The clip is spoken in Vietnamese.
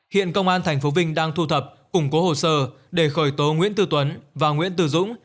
hiện công an tp vinh đang thu thập củng cố hồ sơ để khởi tố nguyễn tư tuấn và nguyễn tư dũng